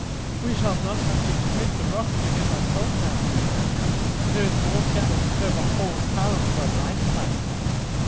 "We shall not have to scrape the rocks to get our salt now," said Ernest, "for there is more here than would serve a whole town for a lifetime."